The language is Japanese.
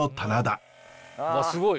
うわっすごい。